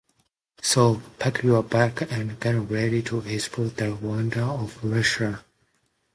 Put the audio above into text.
So, pack your bags and get ready to explore the wonders of Russia.